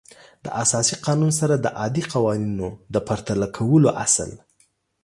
د اساسي قانون سره د عادي قوانینو د پرتله کولو اصل